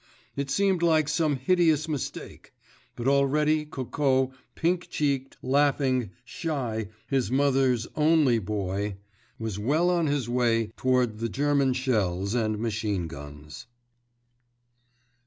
It seemed like some hideous mistake. But already Coco, pink cheeked, laughing, shy, his mother's only boy, was well on his way toward the German shells and machine guns!